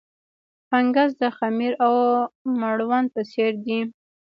فنګس د خمیر او مړوند په څېر دي.